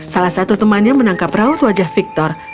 salah satu temannya menangkap raut wajah victor